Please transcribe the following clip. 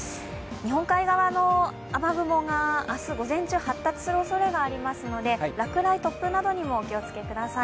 日本海側の雨雲が、明日午前中発達するおそれがありますので落雷、突風などにもお気をつけください。